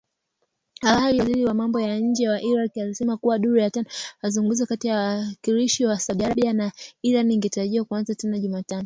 Awali waziri wa mambo ya nje wa Irak, alisema kuwa duru ya tano ya mazungumzo kati ya wawakilishi wa Saudi Arabia na Iran ingetarajiwa kuanza tena Jumatano